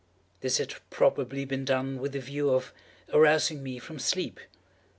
This had probably been done with the view of arousing me from sleep.